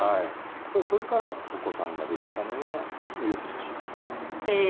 それからお子さんができたのはもう翌年？ええー